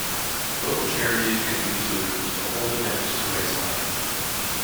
Local charities can use the rooms to hold events to raise money.